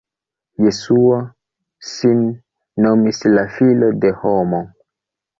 Jesuo sin nomis la "filo de homo".